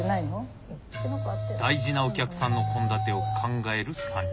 大事なお客さんの献立を考える３人。